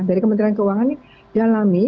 dari kementerian keuangan ini dalami